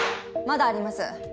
まだあります。